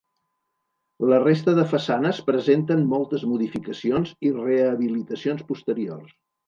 La resta de façanes presenten moltes modificacions i rehabilitacions posteriors.